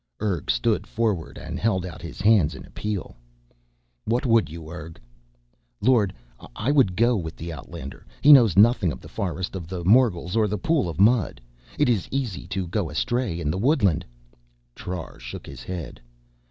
Urg stood forward and held out his hands in appeal. "What would you, Urg?" "Lord, I would go with the outlander. He knows nothing of the Forest of the Morgels or of the Pool of Mud. It is easy to go astray in the woodland " Trar shook his head.